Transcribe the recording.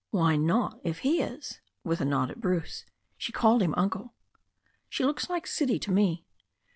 "Why not, if he is?" with a nod at Bruce. "She called him 'Uncle.'" "She looks like city to me."